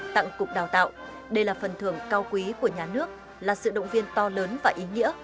tặng cục đào tạo đây là phần thưởng cao quý của nhà nước là sự động viên to lớn và ý nghĩa